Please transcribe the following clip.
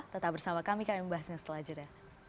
tetap bersama kami kami membahasnya setelah jeda